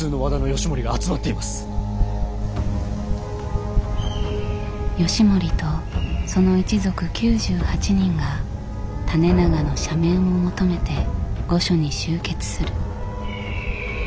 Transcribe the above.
義盛とその一族９８人が胤長の赦免を求めて御所に集結する。